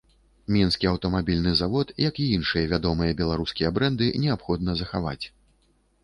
Мінскі аўтамабільны завод, як і іншыя вядомыя беларускія брэнды, неабходна захаваць.